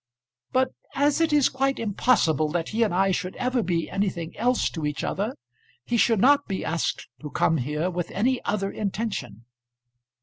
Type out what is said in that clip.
"But as it is quite impossible that he and I should ever be anything else to each other, he should not be asked to come here with any other intention."